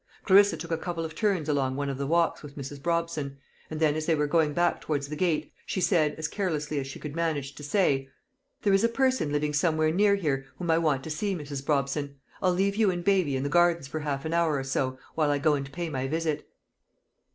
Clarissa took a couple of turns along one of the walks with Mrs. Brobson, and then, as they were going back towards the gate, she said, as carelessly as she could manage to say: "There is a person living somewhere near here whom I want to see, Mrs. Brobson. I'll leave you and baby in the gardens for half an hour or so, while I go and pay my visit."